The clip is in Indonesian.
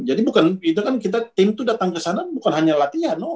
jadi bukan itu kan kita tim tuh datang kesana bukan hanya latihan no